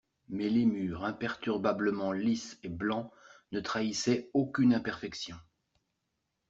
Mais les murs imperturbablement lisses et blancs ne trahissaient aucune imperfection.